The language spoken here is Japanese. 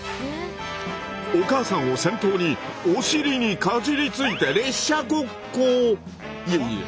⁉お母さんを先頭にお尻にかじりついていえいえ